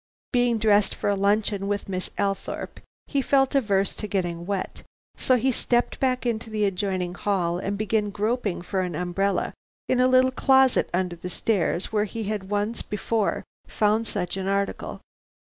Being dressed for a luncheon with Miss Althorpe, he felt averse to getting wet, so he stepped back into the adjoining hall and began groping for an umbrella in a little closet under the stairs where he had once before found such an article.